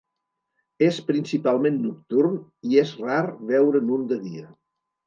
És principalment nocturn i és rar veure'n un de dia.